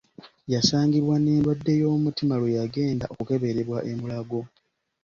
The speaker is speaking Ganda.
Yasangibwa n’endwadde y’omutima lw’eyagenda okukeberebwa e Mulago.